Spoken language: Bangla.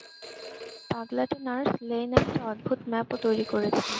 পাগলাটে নার্স লেইন, একটা অদ্ভুত ম্যাপ ও তৈরি করেছে।